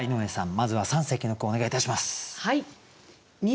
まずは三席の句お願いいたします。